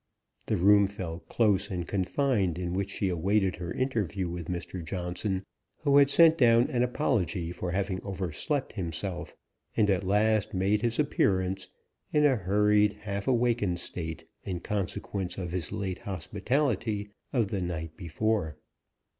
The room felt close and confined in which she awaited her interview with Mr. Johnson, who had sent down an apology for having overslept himself, and at last made his appearance in a hurried half awakened state, in consequence of his late hospitality of the night before.